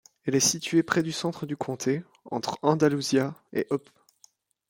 Elle est située près du centre du comté, entre Andalusia et Opp.